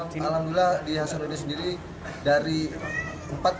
semangat alhamdulillah kembali dengan baik